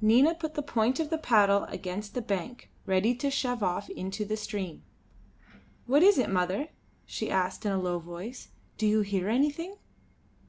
Nina put the point of the paddle against the bank, ready to shove off into the stream. "What is it, mother?" she asked, in a low voice. "Do you hear anything?"